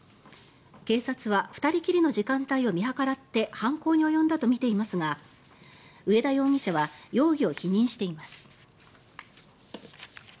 警察は２人きりの時間帯を見計らって犯行に及んだとみていますが上田容疑者は容疑を否認しています。